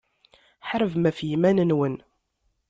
Ḥarbem ɣef yiman-nwen.